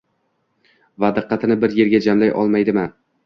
va diqqatini bir yerga jamlay olmaydimi